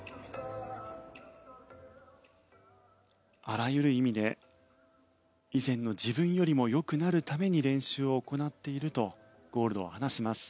あらゆる意味で以前の自分よりも良くなるために練習を行っているとゴールドは話します。